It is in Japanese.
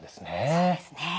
そうですね。